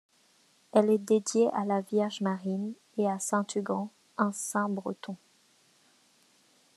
Elle est dédiée à la Vierge-Marie et à saint Tugen, un saint breton.